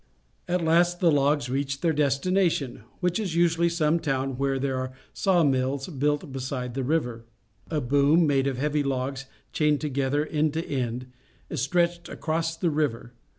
At last the logs reach their destination, which is usually some town where there are saw mills built beside the river. A boom, made of heavy logs chained together end to end, is stretched across the river.